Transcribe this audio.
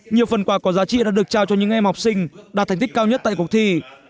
nhiều phần quà có giá trị đã được trao cho những em học sinh đạt thành tích cao nhất tại cuộc thi